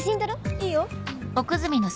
いいよ。